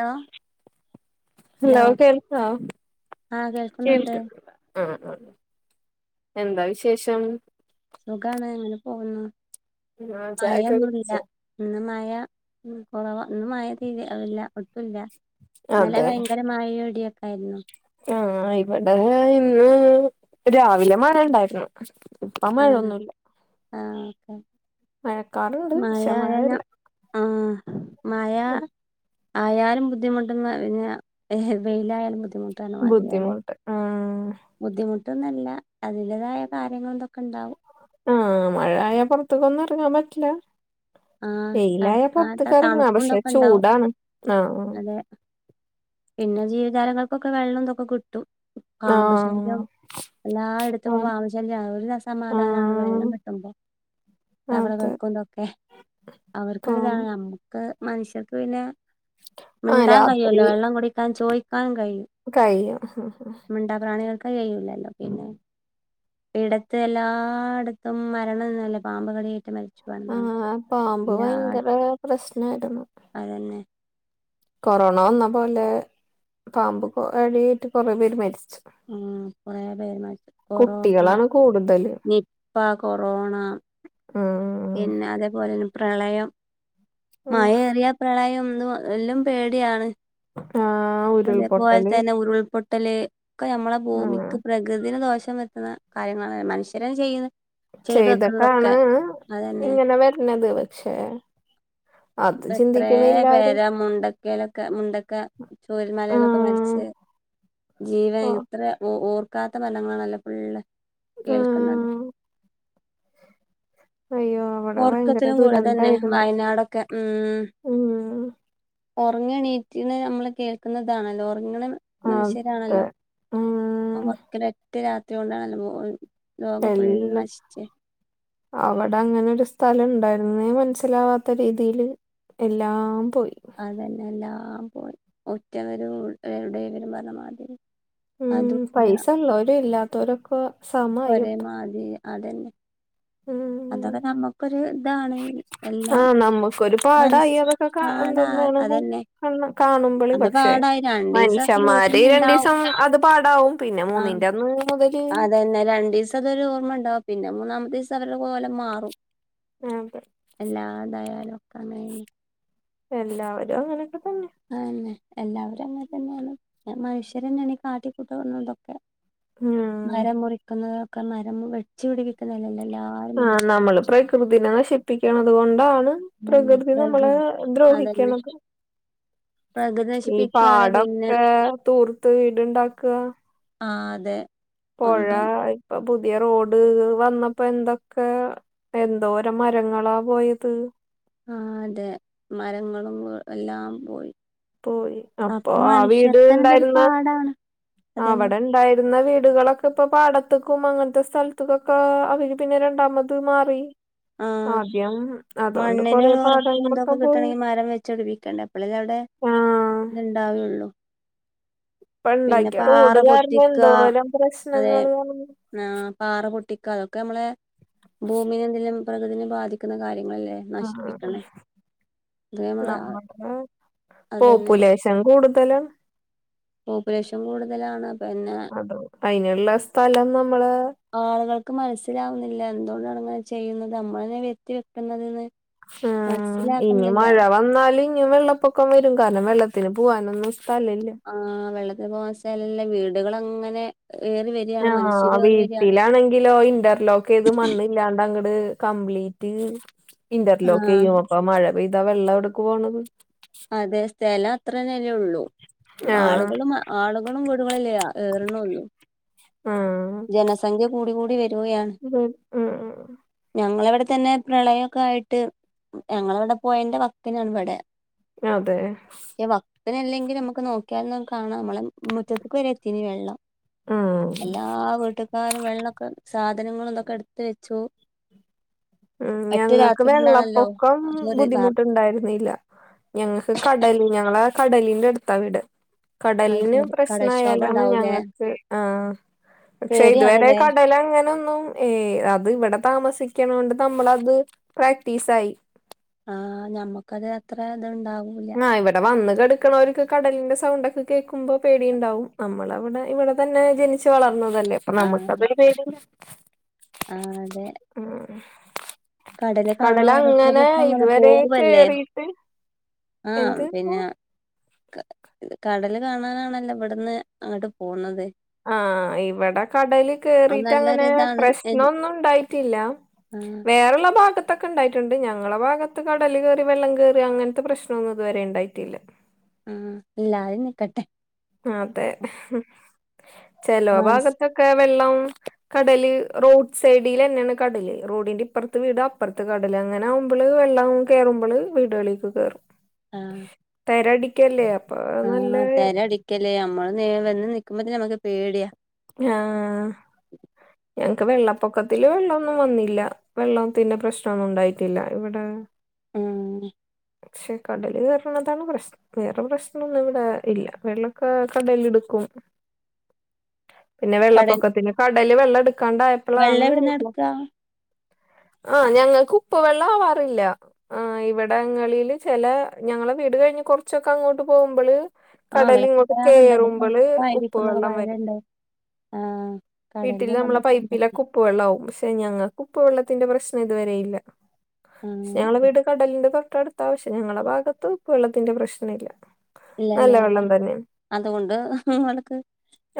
ആ ഹെലോ കേൾക്കാ. ആഹ് കേൾ കേൾക്കുന്നുണ്ട് [unintelligible] ആഹ് ആ എന്താ വിശേഷം? സുഖാണ്. ഇങ്ങനെ പോവുന്നു. ആഹ് ചായൊക്കെ മഴൊന്നുല്ല കുടിച്ചോ ഇന്ന് മഴ ഉം കൊറവ. ഇന്ന് മയ തീരെ ഇല്ല, ഒട്ടുല്ല. ഇന്നലെ അതെ ഭയ്ങ്കര മയെം ഇടിക്ക്വായിര്ന്നു. ആ ഇവിടെ ഇന്ന് രാവിലെ മഴണ്ടായിര്ന്നു. ആ ആ [unintelligible] മഴക്കാറുണ്ട് പക്ഷെ മാഴയായ്ഞ. മഴയില്ല ആഹ് മയാ, മഴായാലും ബുദ്ധിമുട്ട്ന്ന്റിഞ്ഞ, വെയ്ലായാലും ബുദ്ധിമുട്ടണ് പറണ മാതിര്യാല്ലെ. ബുദ്ധിമുട്ട് ആഹ് ബുദ്ധിമുട്ടൊന്ന്ല്ല. അതിന്റെതായ കാര്യങ്ങൾ ത്ക്കെണ്ടാവും. ആ മഴായ പൊർത്ത് ക്കൊന്നും എറങ്ങാൻ പറ്റില. ആഹ് വെയ്ലായ പൊർത്ത്ക്ക കടക്കാത്ത ർങ്ങാ തണുപ്പും പക്ഷെ ഇതൊക്കെ ഉണ്ടാവും ചൂടാണ് ആ. അതെ പിന്നെ ജീവജാലങ്ങൾക്കൊക്കെ വെള്ളുംതൊക്കെകിട്ടും. ആഹ് പാമ്പ്ശല്യം എല്ലായിട്ത്തും പ ആഹ് പാമ്പ്ശല്യ. ഒരു സമാധാനാണ് വെള്ളം ആഹ് കിട്ടുമ്പോ. അതെ തവളകൾക്കുംതൊക്കെ. പാമ്പ് അവർക്കര്താണ് നമ്മുക്ക് മനുഷ്യർക്ക് പിന്നെ. ആഹ് മിണ്ടാൻ രാത്രി കയ്യോലാ, വെള്ളം കുടിക്കാൻ ചോയിക്കാനും കയും. കയ്യും. മിണ്ടാ പ്രാണികൾക്ക് കയ്യൂല്ലല്ലോ പിന്നെ, ഈടത്ത് എല്ലാട്ത്തും മരണന്നല്ലെ പാമ്പ്കടിയേറ്റ് മരി ആ പാമ്പ് ഭയങ്കര പ്രശ്നായിര്ന്നു. അതെന്നെ. കൊറോണ വന്നപോലെ പാമ്പ്കൊ കടീയേറ്റു കൊറേ പേര് മരിച്ചു. ഉം അതെ [unintelligible] കൊറേ കുട്ടികളാണ് കൂടുതല്. നിപ്പ, കൊറോണ, പിന്ന ഉം അതേപോലെന്നെ പ്രളയം. മഴേറിയാ പ്രളയം ന്നും എല്ലം പേട്വാണ് ആ അതേപ്പോൽ ഉരുൾപൊട്ടല് ത്തെന്നെ ഉരുൾപൊട്ട് പൊട്ടല് ക്കെമ്മളെ ആ ഭൂമിക്ക് പ്രകൃതിന് ദോഷം വര്ത്ത്ണെ കാര്യങ്ങളാണ് മനുഷ്യരഅ്ചെയ്യ്ണ് ചെയ്തിട്ടാണ് അതന്നെ ഇങ്ങനെ വരണത് പക്ഷേ അപ്പ എത്ര പേരാ മുണ്ടക്കയിലൊക്കെ മുണ്ടക്ക ചോരൽ ആ മലന്നൊക്കെ മരിച്ച് ജീവൻ ആ ഇത്ര ഓർ ക്കാത്ത ഫലങ്ങളല്ലേ ഫുള്ള് കേൾക്കുന്നത് അയ്യോ അവിടെ ഭയങ്കര ഓർക്കത്തിലും കൂടെത [unintelligible] ന്നെ ദുരന്തായിരുന്നു വയനാടൊക്കെ ഉം ഉം ഉറങ്ങണീറ്റിന് നമ്മള് കേൾക്കുന്നതാണല്ലോ ഉറങ്ങണ അതെ മനുഷ്യരാണല്ലോ ഉം ഒറക്കൽ ഒറ്റ രാത്രി കൊണ്ടാണല്ലോ പോയ എല്ല അവിടെ അങ്ങനെ ഒരു സ്ഥലം ഉണ്ടായിരുന്നേ മനസ്സിലാവാത്ത രീതിൽ എല്ലാം പോയി അതന്നെ എല്ലാം പോയി ഒറ്റവരും ഉടെയവരും പറഞ്ഞ മാതിരി ഉം അതുല്ല പൈസ ഉള്ളവരു ഇല്ലാത്തവരൊക്കെ ഒരേമാതിരി അതന്നെ ഉംഹ് അതൊക്കെ നമ്മുക്കൊരു ഇതാണ് ഉ എല്ലാം ആഹ നമ്മുക്കൊരു പാട് മനസ്സ് അയലൊക്കെ എന്താ പാടാ കാണുമ്പോ അതന്നെ കാണുമ്പോൾ അത് പക്ഷെ പാടായി രണ്ടീസം അതില് മനുഷ്യന്മാര് രണ്ടു ഓർമ്മണ്ടാവും സം അത് പാടാവും പിന്നെ മൂന്നിന്റെന്ന് അതെന്നെ രണ്ടു സം അതൊരു ഓർമ്മ ഉണ്ടാവും പിന്നെ മൂന്നാമത്തെ ദിസം അവരുടെ കോലം മാറും അതെ എല്ലാതായാലും ഒക്കെ അങ്ങനെ ണ് എല്ലാവരും അങ്ങനെയൊക്കെ തന്നെ ആന്നെ എല്ലാവരും അങ്ങനെ തന്നെയാണ് മനുഷ്യർ തന്നെയാണ് ഈ കാട്ടിക്കൂട്ടുന്നതൊക്കെ ഉം മരം മുറിക്കുന്നതൊക്കെ മരം വെച്ച്പ പിടിപ്പിക്കുന്നല്ലല്ലോ ആ നമ്മള് പ്രകൃതിനനെ നശിപ്പിക്കണത് കൊണ്ടാണ് പ്രകൃതി നമ്മളേ അതന്നെ ദ്രോഹിക്കണത് പ്രകൃതി ഈ നശിപ്പിക്കാണ് പിന്നെ പാടൊക്കെ തൂർത്ത് ഇീട്ണ്ടാക്കാ ആ അതെ പുഴ ഒന്നും ഇപ്പൊ പുതിയ റോഡ് വന്നപ്പോ എന്തൊക്കെ എന്തോരം മരങ്ങളാ പോയത് ആ അതെ മരങ്ങളും എല്ലാം പോയി പോയി അപ്പൊ ആ വീട് മനുഷ്യർക്കന ഇതൊരു ഇണ്ടായിരുന്ന പാടാണ് അതന്നെ അവിടെ ഉണ്ടായിരുന്ന വീടുകളൊക്കെ ഇപ്പൊ പാടത്തക്കും അങ്ങനത്തെ സ്ഥലത്തക്കൊക്കെ അവര് പിന്നെ രണ്ടാമത് മാറി ആഹ് ആദ്യം അതുകൊണ്ട് മണ്ണിന് കൊറെ ഒരു ഉറപ്പും പാഠങ്ങളൊക്കെ ഇതൊക്കെ പോയി കിട്ടണെങ്കി മരം ആഹ ഇ ഉണ്ടാവുകയുള്ളൂ ഇപ്പ ഉണ്ടാക്കിയ റോഡ് കാരണം പൊട്ടിക്ക എന്തോലും പ്രശ്നങ്ങൾ കാര ആ് പാറ പൊട്ടിക്ക അതൊക്കെ നമ്മളെ ഭൂമിനെ എന്തെങ്കലും പ്രകൃതിനെ ബാധിക്കുന്ന കാര്യങ്ങളല്ലേ ആ നശിപ്പിക്കണേ ഇത് നമ്മളെ നമ്മുടെ അതന്നെ പോപ്പുലസ് ഷൻ കൂടുതല് പോപ്പുലേഷൻ കൂടുതലാണ് പിന്നെ അതോ അതിനുള്ള സ്ഥലം നമ്മള് ആളുകൾക്ക് മനസ്സിലാവുന്നില്ല എന്തുകൊണ്ടാണ് ഇങ്ങനെ ചെയ്യുന്നത് നമ്മളന്നെ വ്യത്തി വെക്കതന്ന് ഉം ഇനി മഴ വന്നാൽ ഇനിയും വെള്ളപ്പൊക്കം വരും കാരണം വെള്ളത്തിന് പോകാനൊന്നും സ്ഥലല്ലിയ ആ് വെള്ളത്തിന് പോകൻ സ്ഥലല്ലിയ വീടുകള അങ്ങനെ കെറി വര ആഹ് വീട്ടിലാണെങ്കിലോ ഇന്റർലോക്ക് ത് മണ്ണ് ഇല്ലാണ്ട് അങ്ങട് കപ്ലീറ്റ് ആ ഇന്റർലോക്ക് ചെയ്യും ഇപ്പം മഴ പെയ്താ വെള്ളം എവിട്ക്ക് പോണത് അതെ സ്ഥലം അത്രനെലെയള്ളൂ ആഹ് മാളുകളും ആളുകളും വീടുകളില്ലയാ ഏറണള്ളു. ആഹ് ജനസംഖ്യ കൂടികൂടി വരികയാ അതെ ആഹ് ആഹ് ഞങ്ങളിവിടെ തന്നെ പ്രളയൊക്കെ ആയിട്ട് ഞങ്ങളിവിടെ പൊയന്റെ വക്കിനാണ് ഇവിടെ. അതെ പക്ഷെ വക്കിനല്ലെങ്കിൽ നമുക്ക് നോക്കിയാലന്നെ കാണാം നമ്മളെ മുറ്റത്ത്ക്ക് വരെ എത്തിനിം വെള്ളം. ഉം എല്ലാ വീട്ടുകാരും വെള്ളൊക്കെ സാധനങ്ങളും ഇതൊക്കെ എടുത്തുവെച്ചു. ഉം ഞങ്ങക്ക് കൊണ്ടാണല്ലോ വെള്ളപ്പൊക്കം അതൊരു വാർത്ത ബുദ്ധിമുട്ടുണ്ടായിരുന്നില്ല. ഞങ്ങക്ക് കടല് ഞങ്ങളാ കടലിന്റെ അടുത്താ വീട്. കടലിന് കടക്ഷോഭം പ്രശ്നായാലാണ് ഉണ്ടാവൂലേ ഞങ്ങക്ക് ആ പക്ഷെ ഇതുവരെ പേടിയാണല്ലേ കടലങ്ങനൊന്നും ഏയ് അത് ഇവിടെ താമസിക്കണ കൊണ്ട് നമ്മളത് പ്രാക്ടീസായി. ആഹ് ഞമ്മക്കത് അത്ര ഇത്ണ്ടാവൂ ആഹ് ഇവിടെ വന്ന് കെടക്കുന്നവർക്ക് കടലിന്റെ സൗണ്ട് ഒക്കെ കേക്കുമ്പോ പേടിണ്ടാവും നമ്മളങ്ങനെ ഇവിടെ തന്നെ ച്ചുവളർന്നതല്ലേ അപ്പ ആഹ് നമ്മക്കതൊരു പേടി ആഹ് അതെ. ഉം കടല് കാണാൻ ഓരോരുത്തര് കടലങ്ങനെ ഇപ്പ അങ്ങനെ ഇതുവരെ പോവല്ലേ കേറീട്ട് ആഹ് പിന്നെ. കടല് കാണാനാണല്ലോ ഇവിടുന്ന് അങ്ങട്ട് പോണത്. ആഹ് ഇവിടെ കടല് അത് നല്ലൊരു കേറീട്ടങ്ങനെ ഇതാണ് പ്രശ്നോന്നും ഉണ്ടായിട്ടില്ല. ആഹ് വേറൊള്ള ഭാഗത് ഇത്തക്കൊണ്ടായിട്ടുണ്ട്, ഞങ്ങളുടെ ഭാഗത്ത് കടല് കേറി വെള്ളം കേറി അങ്ങനത്തെ പ്രശ്നൊന്നും ഇതുവരെ ഉണ്ടായിട്ടില്ല. ഉം ഇല്ലതെ നിക്കട്ടെ. അതെ ചെലോ മനസ് ഭാഗത്തൊക്കെ വെള്ളം കടല് റോഡ് സൈഡിലന്നെയാണ് കടല് റോഡിന്റെ ഇപ്പറത്ത് വീടപ്പുറത്ത് കടല് അങ്ങനെ ആകുമ്പള് വെള്ളം കേറുമ്പള് വീടുകളിലക്ക് കേറും ആഹ് തെരടിക്കല്ലേ അപ്പൊ നല്ല ക്കെല്ലേ നമ്മള് വന്ന് നിക്കുമ്പോ തന്നേ നമുക്ക് പേടിയാ ആഹ് ഞങ്ങക്ക് വെള്ളപ്പൊക്കത്തില് വെള്ളം ഒന്നും വന്നില്ല വെള്ളത്തിന്റെ പ്രശ്നോന്നും ഉണ്ടായിട്ടില്ല ഇവിടെ. ഉം പക്ഷെ കടല് കേറുന്നതാണ് പ്രശ്നം. വേറെ പ്രശ്നോന്നും ഇവിടെ ഇല്ല വെള്ളൊക്കെ കടലെടുക്കും. പിന്നെ കടൽ വെള്ളപ്പൊക്കത്തിന് കടല് വെള്ളം വെള്ളെടുക്കാണ്ടായപ്പളാണ് എവിടുന്നാ എടുക്കാ? ആഹ് ഞങ്ങൾക്ക് ഉപ്പ് വെള്ളം ആവാറില്ല. ആഹ് ഇവിടങ്ങളില് ചെല ഞങ്ങളെ വീട് കഴിഞ്ഞ് കൊറച്ചൊക്കെ അങ്ങോട്ട് പോകുമ്പള് ആഹ് ഇവിടെ കടലിങ്ങട്ട് പറയാറുണ്ട് അതൊക്കെ കേറുമ്പള് ഉപ്പ് ഉപ്പായിരിക്കും എന്നൊക്കെ വെള്ളം വരും. പറയലുണ്ട്. ആഹ് വീട്ടില് കടലിന്ന് നമ്മളെ പൈപ്പിലൊക്കെ ഉപ്പുവെള്ളാവും പക്ഷെ ഞങ്ങക്കുപ്പു വെള്ളത്തിന്റെ പ്രശ്നം ഇതുവരെ ഇല്ല. ക്ഷേ ഞങ്ങളുടെ ആഹ് വീട് കടലിന്റെ തൊട്ടടുത്താ പക്ഷെ ഞങ്ങളുടെ ഭാഗത്തു ഉപ്പുവെള്ളത്തിന്റെ പ്രശ്നല്ല. ഇല്ലാല്ലേ നല്ല വെള്ളം തന്നെ അതുകൊണ്ട് നിങ്ങൾക്ക്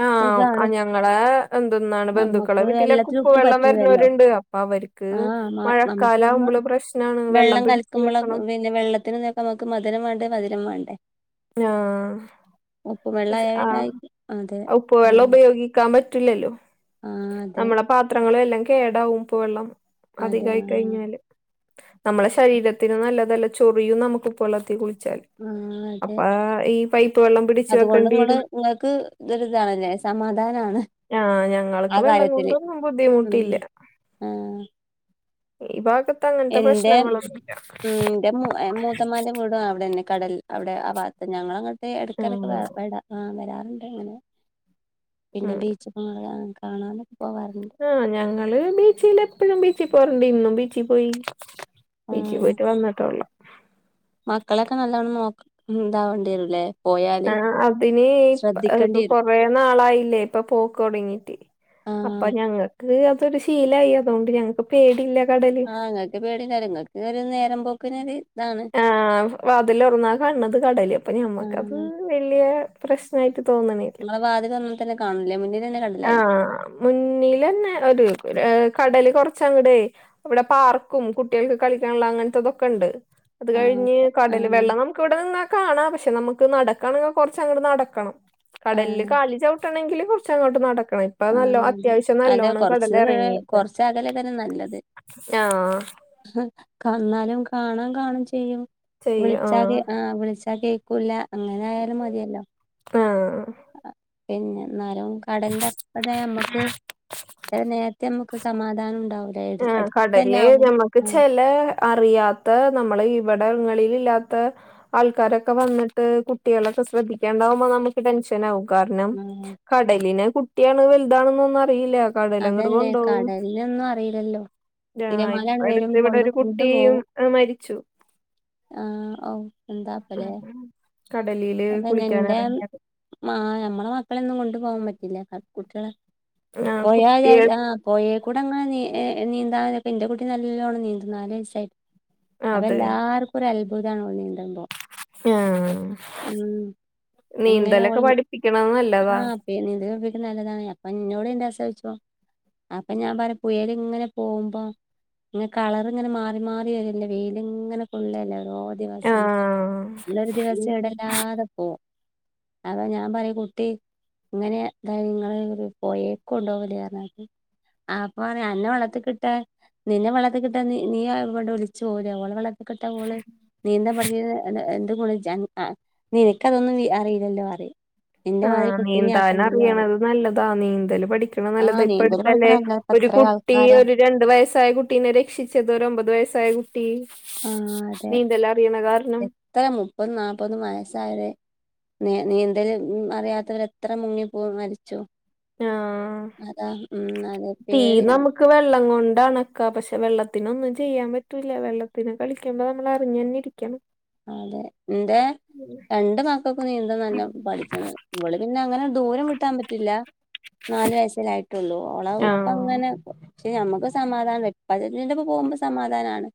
ആഹ് സുഖാണ് ആഹ് ഞങ്ങളെ എന്തെന്നാണ് ബന്ധുക്കളെ നമ്മക്ക് വീട്ടിലൊക്കെ വെള്ളത്തിലുപ്പ് ഉപ്പുവെള്ളം പറ്റൂല്ലല്ലോ. വരുന്നോരുണ്ട് അപ്പൊ അവർക്ക് ആഹ് നമുക്ക് മഴക്കാലം ഒന്ന് ആവുമ്പള് പ്രശ്നാണ് വെള്ളം പിടിച്ച് കലക്കുമ്പളൊക്കെ വെക്കണം വെ പിന്നെ വെള്ളത്തിന് ഇതൊക്കെ നോക്ക് നമുക്ക് മധുരം വേണ്ടേ മധുരം വേണ്ടേ? ആഹ് ഉപ്പ് പക്ഷ വെള്ളായ പിന്നെ ആഹ് അയിക്ക് അതെ ഉപ്പ് വെള്ളം ആഹ് ഉപയോഗി ക്കാൻ പറ്റൂല്ലല്ലോ ആഹ് അതെ നമ്മടെ പാത്രങ്ങളും എല്ലാം കേടാവും ഉപ്പ് വെള്ളം അതെ അധികായി ആഹ് കഴിഞ്ഞാല്. നമ്മളെ ശരീരത്തിനും നല്ലതല്ല ചൊറിയും നമുക്ക് ഉപ്പുവെള്ളത്തി കുളിച്ചാൽ ആഹ് അതെ അപ്പാ ഈ പൈപ്പ് വെള്ളം പിടിച്ചു അതുകൊണ്ട് വെക്കേണ്ടി ഇങ്ങള് വരും ഇങ്ങക്ക് ദ് ഒര്താണ്ലെ സമാധാനാണ് ആഹ് ആ ഞങ്ങൾക്ക് വെള്ളം കാര്യത്തില്. കൊണ്ടൊന്നും ഉം ബുദ്ധിമുട്ടില്ല ആഹ് ഈ ഭാഗത്ത് അങ്ങൻത്തെ പ്രശ്നങ്ങളൊന്നുല്ല. ന്റെ മൂ എഹ് മൂത്തമാന്റെ വീടും അവിടെന്നെ കടൽ അവിടെ ആ ഭാഗത്ത് ഞങ്ങളങ്ങ ട്ട് എടക്കെടക്ക് ഉം വ വടാ ആഹ് വരാറ്ണ്ട് അങ്ങനെ പിന്നെ ഉം ബീച്ച് ആഹ് ആഹ് കാണാനൊക്കെ പോവാറ്ണ്ട് ആഹ് ഞങ്ങള് ബീച്ചിലെപ്പഴും ബീച്ചി പോവാറ്ണ്ട് ഇന്നും ബീച്ചി പോയി ബീച്ചി പോയിട്ട് വന്ന്ട്ടൊള്ളൂ മക്കളെക്കെ നല്ലോണം നോക് ഇതാവണ്ട്യേരുലേ ആഹ് അതിന് ഇപ്പ ഇപ്പൊ വരും കൊറേ നാളായില്ലേ ഇപ്പൊ പോക്കൊടങ്ങീട്ട് അപ്പ ആഹ് ഞങ്ങക്ക് അതൊരു ശീലായി അതോണ്ട് ഞങ്ങക്ക് പേടിയില്ല കടല് ആഹ് ഇങ്ങക്ക് പേടിണ്ടാവൂല ഇങ്ങക്ക് ഒരു നേരം പോക്കിനൊര് ആഹ് വാതിലൊർന്നാ കാൺണ്ണത് കടല് അപ്പൊ ഞമ്മക്കത് ആഹ് വല്യേ പ്രശ്നായിട്ട് തോന്ന്ണി ഇങ്ങളെ വാതിലൊർന്നാ തന്നെ കാണുലെ മുന്നിലെന്നെ കടലായിരിക്കും ആഹ് മുന്നിലെന്നെ ഒര് ഏഹ് കടല് കൊർച്ചങ്ങടെ ഇവിടെ പാർക്കും കുട്ട്യൾക്ക് കളിക്കാൻള്ള അങ്ങനത്തതൊക്കെണ്ട് അത് ആഹ് കഴിഞ്ഞ് ഓക്കെ കടൽ ആഹ് വെള്ളം നമു ക്ക് ഇവടെ നിന്നാ കാണാ. പക്ഷേ നമുക്ക് നടക്കാണെങ്കി കൊർച്ചങ്ങട്ട് നടക്കണം. ആഹ് കടൽല് കാല് ചവ് ട്ടണെങ്കില് കൊറച്ചങ്ങോട്ട് നടക്കണേ പ്പ നല്ലോ ആഹ് അത്യാവശ്യം അല്ല നല്ലോണം കൊറച്ച് കടലെറങ്ങീക്കാ കൊറച്ച് അകലെ ആഹ് ഹ് ക ന്നാലും കാണാൻ കാണും ചെയ്യും വിൾച്ചാ ആഹ് വിൾച്ചാ കേ ക്കൂല്ല അങ്ങനായാലും മതിയല്ലോ ആഹ് പിന്നെ ന്നാലും കടൽന്റെ അപ്പടെ നമ്മക്ക് ചെല നേര്ത്ത് നമ്മ സമാധാനു ണ്ടാവൂ ആഹ് കടൽല് ഞമ്മക്ക് ചെല അറിയാത്ത നമ്മള് ഇവടങ്ങളിലില്ലാത്ത ആൾക്കാരൊക്കെ വന്നിട്ട് കുട്ട്യാളൊക്കെ ശ്രദ്ധിക്കേണ്ടാവുമ്പം നമു ക്ക് ടെൻഷനാവും. കാര്ണം ആ കടലിന് കുട്ടിയാണ് വല്താണ് ന്നൊന്നും അറിയില്ല. കടലങ്ങട് കൊണ്ടോവും ലൊന്നും അറീലല്ലോ ആഹ് തിരമാലാണ് ഇപ്പ വെരും അടുത്ത് ഇവിടെ കൊണ്ട് ഒരു കൊണ്ട് കുട്ടിയും പോവും ആ, മരിച്ചു ആഹ് ഔ ഉം. എന്താപ്പലെ കടലില് അതങ്ങൻ ന്റെ കുളിക്കാനെറങ്ങിയത് ആഹ് ഞമ്മളെ മക്കളെന്നും കൊണ്ടു പോവാൻ പറ്റില്ല ക കുട്ട്യോളെ ആഹ് പോയാ ജാ കുട്ടികൾ ചാ ആഹ് പൊയേ കൂടെ അങ്ങനെ നീ നീന്താനൊക്കെ ഇന്റെ കുട്ടി നല്ലോണം നീന്തും നാല്വയസായി അപ്പ അതെ എല്ലാർക്കും ഒരു അത്ഭുതാണ് ഓൾ നീന്തുമ്പൊ ആഹ് നീന്തലൊക്കെ പഠിപ്പിക്ക്ണത് നല്ലതാ പ്പീ നീന്തല് പഠിപ്പിക്ക്ണ് നല്ലതാണ്. അപ്പന്നോട് ഇന്റെ ഹസ്സോയ്ച്ചു. അപ്പം ഞാൻ പറിം പുയേല്ങ്ങനെ പോവ്മ്പോ ഇങ്ങനെ കളറ്ങ്ങനെ മാറി മാറിവെരല്ലേ വെയില്ങ്ങനെ കൊള്ളല്ലേ ഓരോ ദിവസും. ആഹ് ഇബടൊരു ദിവസും എടല്ലാതെ പോവും. അപ്പ ഞാൻ പറിം കുട്ടി ഇങ്ങനെ ഇതായി ഇങ്ങളെ ഒര് പൊയെ ക്കൊണ്ടോവല് പർഞ്ഞാട്ട്, ആഹ് അപ്പം പറിം അന്നെ വള്ളത്ത്ക് ട്ടാ നിന്നെ വെള്ളത്ത്ക് ട്ടാ നീ നീ ഇവടൊൽച്ച് പോവൂലെ ഓളെ വള്ള ത്ത്ക്ക്ട്ടാ ഓള് നീന്തം പഠിച്ച് എൻ്റെ കൂടെ ജ്ജ് അ നിനക്ക് അതൊന്നും വീ അറീലല്ലോ അറിം നിന്റെമാതിരി ആഹ് കുട്ടീനിം ആക്കണ്ടല്ലോ അറിം നീന്താനറിയണത് നല്ലതാ നീന്തല് പഠിക്കണെ നല്ലതാ നീന്തല് ഇപ്പടുത്തല്ലെ പഠിക്കണല്ലോ ഇപ്പ ഒരു എത്ര കുട്ടി ആൾക്കാരാ ഒര് രണ്ടു വയസ്സായ കുട്ടീനെ രക്ഷിച്ചത് ഒര് ഒമ്പത് വയസ്സായ കുട്ടി നീന്തെല്ലറിയണ കാരണം ഇത്ര മുപ്പത് നാല്പതും വയസ്സായരെ നി നീന്തല് ഒന്നും അറിയാത്തവര് എത്ര മുങ്ങിപ്പോ മരിച്ചു. ആഹ് അതാണ് ഉം അതെ പേടിയാണ്. ക്ക് വെള്ളം കൊണ്ട് അണക്ക പക്ഷെ വെള്ളത്തിനൊന്നും ചെയ്യാൻ പറ്റൂല്ല വെള്ളത്തിനെ കളിക്കുമ്പോ നമ്മൾ അറിഞ്ഞുതന്നെ ഇരിക്ക ക്കും അതെ ഇന്റെ രണ്ട് മാ ഇപ്പ നീന്തനല്ലേപഠിച്ചീണ് ഇവള് പിന്നെ അങ്ങനെ ദൂരം വിട്ടാൻ പറ്റില്ല നാല് വയസല്ലേആയി റ്റുള്ളൂ ഓള ആഹ് ഉപ്പങ്ങനെ പക്ഷെ നമ്മുക്ക് സമാധാനം പഴനില് പോകുമ്പോൾ സമാധാനാണ്.